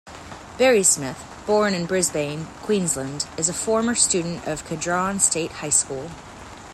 Barry-Smith, born in Brisbane, Queensland, is a former student of Kedron State High School.